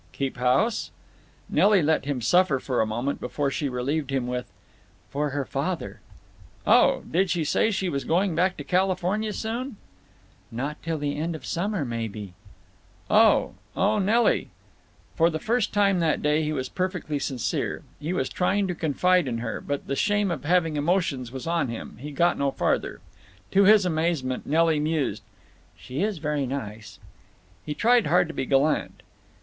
"Keep house?" Nelly let him suffer for a moment before she relieved him with, "For her father." "Oh…. Did she say she was going back to California soon?" "Not till the end of the summer, maybe." "Oh…. Oh, Nelly—" For the first time that day he was perfectly sincere. He was trying to confide in her. But the shame of having emotions was on him. He got no farther. To his amazement, Nelly mused, "She is very nice." He tried hard to be gallant.